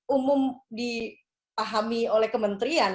umum dipahami oleh kementrian